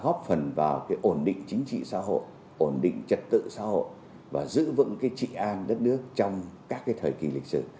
góp phần vào cái ổn định chính trị xã hội ổn định trật tự xã hội và giữ vững cái trị an đất nước trong các thời kỳ lịch sử